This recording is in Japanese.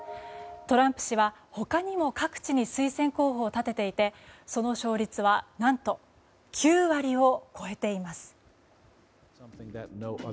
トランプ氏は他にも各地に推薦候補を立てていてその勝率は何と９割を超えています。